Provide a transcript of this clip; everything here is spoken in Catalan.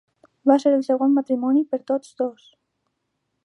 Va ser el segon matrimoni per tots dos.